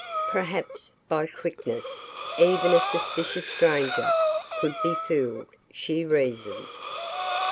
Perhaps, by quickness, even a suspicious stranger could be fooled, she reasoned.